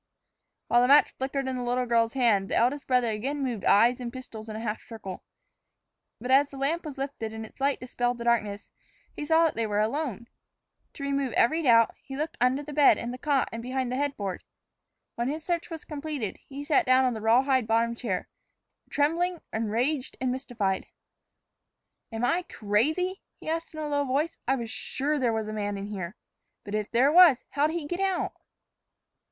While the match flickered in the little girl's hand, the eldest brother again moved eyes and pistols in a half circle. But as the lamp was lifted and its light dispelled the darkness, he saw that they were alone. To remove every doubt, he looked under the bed and the cot and behind the headboard. When his search was completed he sat down on the rawhide bottomed chair, trembling, enraged, and mystified. "Am I crazy?" he asked in a low voice. "I was sure there was a man in here. But if there was, how'd he get out?"